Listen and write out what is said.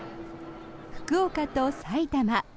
福岡と埼玉。